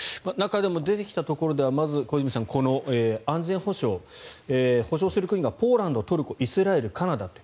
中でも、出てきたところではまず小泉さん、安全保障保証する国がポーランド、トルコイスラエル、カナダ。